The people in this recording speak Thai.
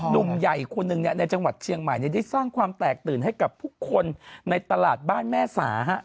หนุ่มใหญ่คนหนึ่งในจังหวัดเชียงใหม่ได้สร้างความแตกตื่นให้กับทุกคนในตลาดบ้านแม่สา